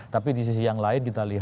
tapi di sisi yang lain kita lihat